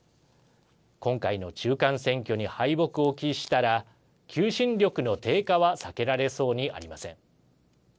今回の中間選挙に敗北を喫したら求心力の低下は避けられそうにありません。